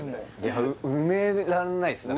埋めらんないですね